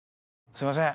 すいません